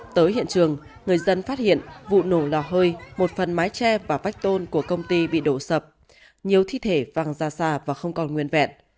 tới hiện trường người dân phát hiện vụ nổ lò hơi một phần mái tre và vách tôn của công ty bị đổ sập nhiều thi thể văng ra xa và không còn nguyên vẹn